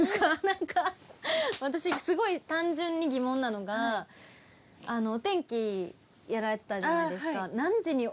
なんか私すごい単純に疑問なのがお天気やられてたじゃないですか。